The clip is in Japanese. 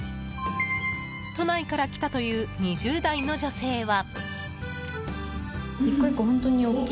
都内から来たという２０代の女性は。